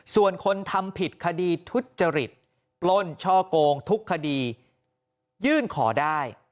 ส่วนคนทำผิดคดีทุจริตปล้นช่อโกงทุกคดียื่นขอได้